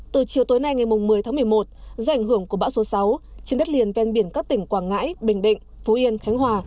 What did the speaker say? từ chiều tối nay ngày một mươi tháng một mươi một do ảnh hưởng của bão số sáu trên đất liền ven biển các tỉnh quảng ngãi bình định phú yên khánh hòa